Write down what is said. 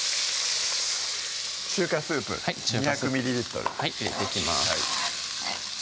中華スープ２００はい入れていきます